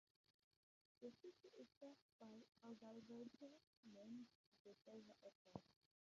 The city is served by Adalberto Mendes da Silva Airport.